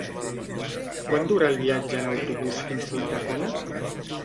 Quant dura el viatge en autobús fins a Ulldecona?